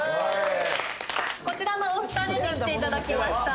こちらのお二人に来ていただきました